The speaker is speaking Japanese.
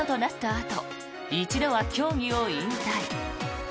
あと一度は競技を引退。